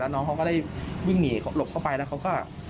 น้องเขาก็ได้วิ่งหนีหลบเข้าไปแล้วเขาก็